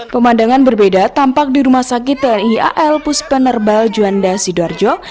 pemandangan berbeda tampak di rumah sakit tni al puspenerbal juanda sidoarjo